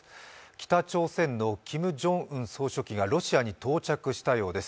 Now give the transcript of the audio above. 北朝鮮のキム・ジョンウン総書記がロシアに到着したようです。